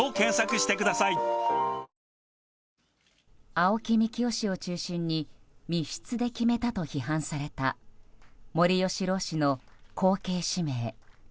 青木幹雄氏を中心に密室で決めたと批判された森喜朗氏の後継指名。